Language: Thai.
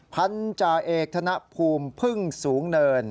พันธาเอกธนภูมิพึ่งสูงเนิน